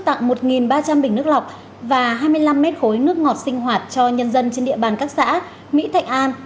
tặng một ba trăm linh bình nước lọc và hai mươi năm mét khối nước ngọt sinh hoạt cho nhân dân trên địa bàn các xã mỹ thạnh an